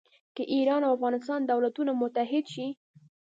که ایران او افغانستان دولتونه متحد شي.